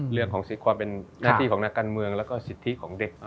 เรื่องของสิทธิ์ความเป็นหน้าที่ของนักการเมืองแล้วก็สิทธิของเด็ก